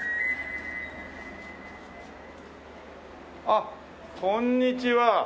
あっこんにちは。